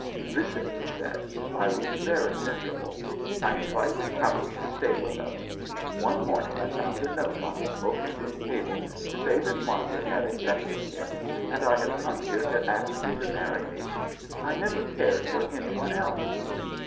" Listen," he said. " I was very miserable ; I invited Howard to stay with us. One morning I found a note on the smoking room table to say that Margaret had accepted him, and I have come here to ask you to marry me. I never cared for any one else."